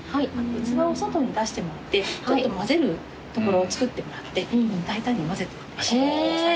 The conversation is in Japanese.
器を外に出してもらって混ぜるところをつくってもらって大胆に混ぜてお召し上がりください。